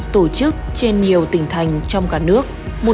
tổ chức trên nhiều tỉnh thành trong cả nước